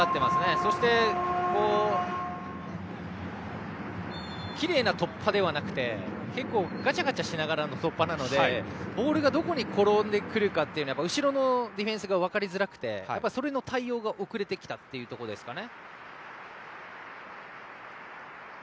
そして、きれいな突破ではなくて結構ガチャガチャしながらの突破なのでボールがどこに転んでくるか後ろのディフェンスが分かりづらくてそれの対応が遅れてきたというところですかね。